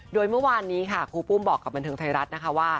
โดยเมื่อวานนี้ค่ะครูปุ้มบอกกับบันเทิงไทยรัฐนะคะว่า